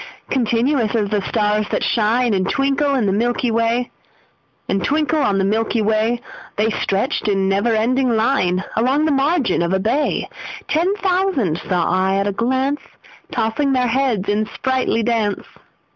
Continuous as the stars that shine And twinkle on the milky way, The stretched in never ending line Along the margin of a bay: Ten thousand saw I at a glance, Tossing their heads in sprightly dance.